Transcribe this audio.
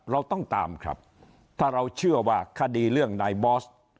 เราต้องตามครับถ้าเราเชื่อว่าคดีเรื่องนายบอส